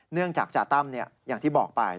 เนื่องจากจาตั้มอย่างที่บอกไป